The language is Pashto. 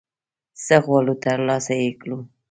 څه غواړي ترلاسه یې کړه